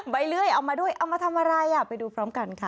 เลื่อยเอามาด้วยเอามาทำอะไรอ่ะไปดูพร้อมกันค่ะ